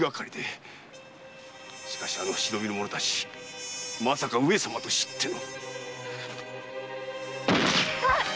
しかしあの忍びの者たちまさか上様と知っての？